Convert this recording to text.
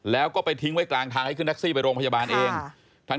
แล้วก็ไปทิ้งไว้กลางทางให้ขึ้นแท็กซี่ไปโรงพยาบาลเอง